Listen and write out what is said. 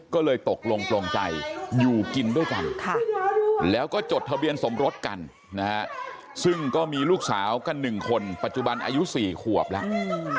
ก็เลยตกลงปลงใจอยู่กินด้วยกันแล้วก็จดทะเบียนสมรสกันนะฮะซึ่งก็มีลูกสาวกัน๑คนปัจจุบันอายุ๔ขวบแล้ว